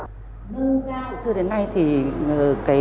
trường học đoàn thị điểm